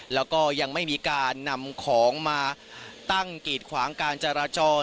แล้วก็ยังไม่มีการนำของมาตั้งกีดขวางการจราจร